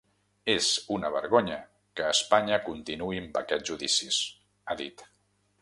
És una vergonya que Espanya continuï amb aquests judicis, ha dit.